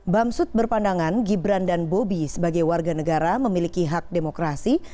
bamsud berpandangan gibran dan bobi sebagai warga negara memiliki hak demokrasi